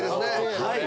はい。